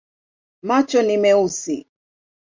Macho ni meusi.